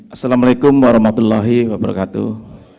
assalamu'alaikum warahmatullahi wabarakatuh